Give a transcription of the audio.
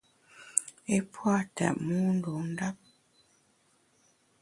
I pua’ tètmu ndun ndap.